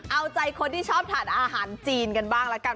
เอาใจคนที่ชอบทานอาหารจีนกันบ้างละกัน